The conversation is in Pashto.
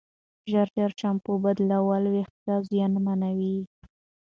ژر ژر شامپو بدلول وېښتې زیانمنوي.